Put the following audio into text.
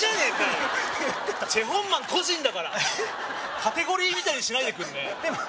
言ってたチェ・ホンマン個人だからカテゴリーみたいにしないでくんねえ？